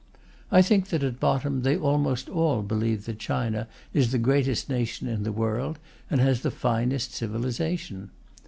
I think that, at bottom, they almost all believe that China is the greatest nation in the world, and has the finest civilization.